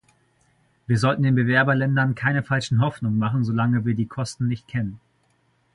Wir sollten den Bewerberländern keine falschen Hoffnungen machen, solange wir die Kosten nicht kennen.